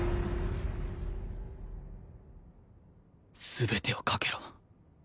全てを懸けろ